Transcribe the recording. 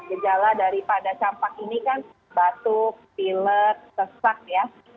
gejala daripada sampah ini kan batuk pilet sesak ya